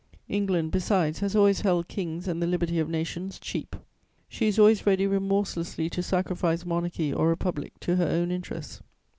England, besides, has always held kings and the liberty of nations cheap; she is always ready remorselessly to sacrifice monarchy or republic to her own interests.